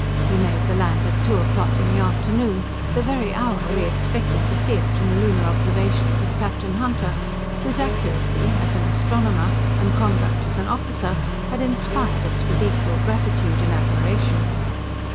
We made the land at two o'clock in the afternoon, the very hour we expected to see it from the lunar observations of Captain Hunter, whose accuracy, as an astronomer, and conduct as an officer, had inspired us with equal gratitude and admiration.